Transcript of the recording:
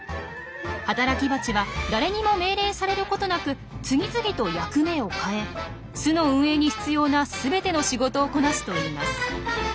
働きバチは誰にも命令されることなく次々と役目を変え巣の運営に必要な全ての仕事をこなすといいます。